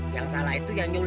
yang salah itu yang nyuruh